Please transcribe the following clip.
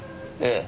ええ。